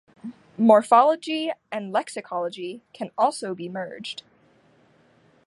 Morphology and lexicology can also be merged.